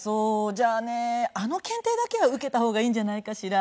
じゃあねあの検定だけは受けた方がいいんじゃないかしら。